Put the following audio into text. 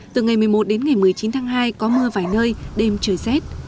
từ ngày một mươi một đến ngày một mươi chín tháng hai có mưa vài nơi đêm trời rét